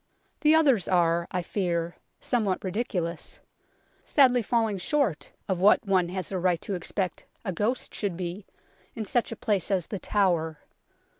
The others are, I fear, somewhat ridiculous ; sadly falling short of what one has a right to expect a ghost should be in such a place as The Tower.